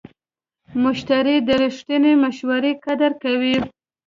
مشتری د رښتینې مشورې قدر کوي.